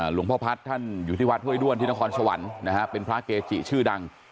หลวงพ่อพัฒน์ท่านอยู่ที่วัดห้วยด้วนที่นครสวรรค์นะฮะเป็นพระเกจิชื่อดัง